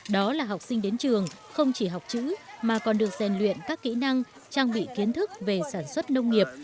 đó là học sinh đến trường không chỉ học chữ mà còn được rèn luyện các kỹ năng trang bị kiến thức về sản xuất nông nghiệp